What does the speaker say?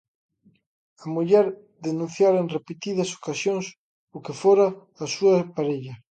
A muller denunciara en repetidas ocasións o que fora a súa parella.